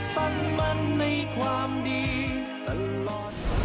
ตั้งมันในความดีตลอด